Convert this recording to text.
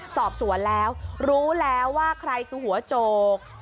สอบสวนแล้วรู้แล้วว่าใครคือหัวโจก